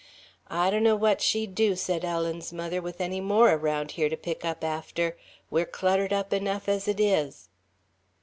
"I donno what she'd do," said Ellen's mother, "with any more around here to pick up after. We're cluttered up enough, as it is."